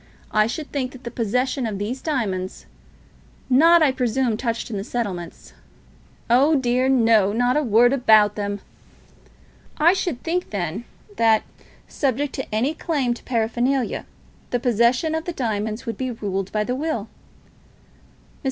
I should think that the possession of these diamonds, not, I presume, touched on in the settlements " "Oh dear no; not a word about them." "I should think, then, that, subject to any claim for paraphernalia, the possession of the diamonds would be ruled by the will." Mr.